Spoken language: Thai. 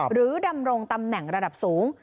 ดำรงตำแหน่งระดับสูง